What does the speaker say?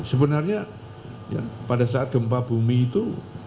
sebenarnya pada saat gempa bumi itu